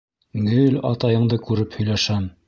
Гел атайыңды күреп һөйләшәм.